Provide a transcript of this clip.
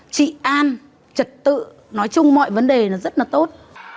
trị an trật tự nói chung mọi vấn đề rất là tốt